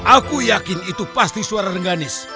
aku yakin itu pasti suara rerganis